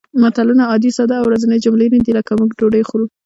متلونه عادي ساده او ورځنۍ جملې نه دي لکه موږ ډوډۍ خورو